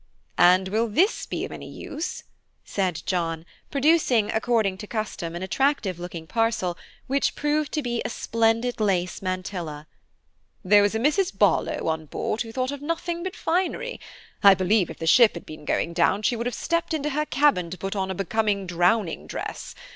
"And will this be of any use?" said John, producing, according to custom, an attractive looking parcel, which proved to be a splendid lace mantilla. "There was a Mrs. Barlow on board who thought of nothing but finery. I believe if the ship had been going down she would have stepped into her cabin to put on a becoming drowning dress.